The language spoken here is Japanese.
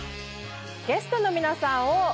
ゲストの皆さんを劉さん。